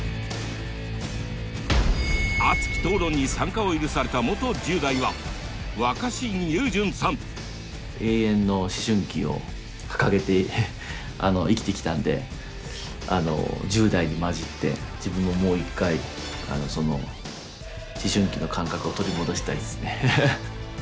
熱き討論に参加を許された元１０代は永遠の思春期を掲げて生きてきたんであの１０代に交じって自分をもう一回その思春期の感覚を取り戻したいですね。